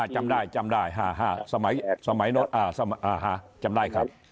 จำได้จำได้๕๕สมัยโน๊ตจำได้ครับ